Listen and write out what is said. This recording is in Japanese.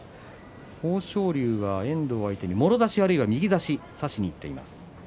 豊昇龍は遠藤相手にもろ差し右差しを差しにいっています。